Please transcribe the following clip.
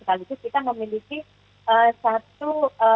kita memiliki satu